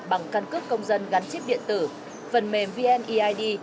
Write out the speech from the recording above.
bằng căn cước công dân gắn chip điện tử phần mềm vneid